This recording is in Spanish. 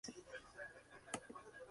Wow, Really?